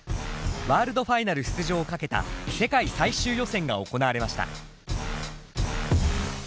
ワールドファイナル出場をかけた世界最終予選が行われました。